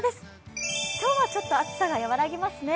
今日はちょっと暑さが和らぎますね。